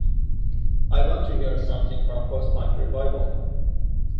I want to hear something from Post-punk Revival